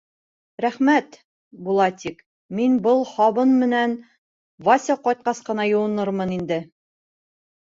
— Рәхмәт, Булатик, мин был һабын менән Вася ҡайтҡас ҡына йыуынырмын инде!